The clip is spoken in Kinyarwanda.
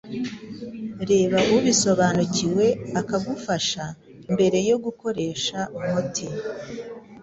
reba ubisobanukiwe akagufasha, mbere yo gukoresha umuti